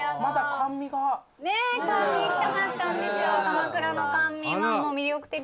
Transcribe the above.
甘味行きたかったんですよ」